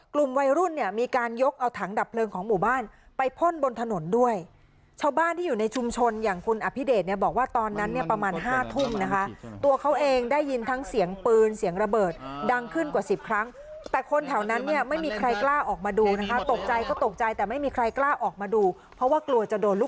กลุ่มวัยรุ่นเนี่ยมีการยกเอาถังดับเพลิงของหมู่บ้านไปพ่นบนถนนด้วยชาวบ้านที่อยู่ในชุมชนอย่างคุณอภิเดชเนี่ยบอกว่าตอนนั้นเนี่ยประมาณห้าทุ่มนะคะตัวเขาเองได้ยินทั้งเสียงปืนเสียงระเบิดดังขึ้นกว่าสิบครั้งแต่คนแถวนั้นเนี่ยไม่มีใครกล้าออกมาดูนะคะตกใจก็ตกใจแต่ไม่มีใครกล้าออกมาดูเพราะว่ากลัวจะโดนลูก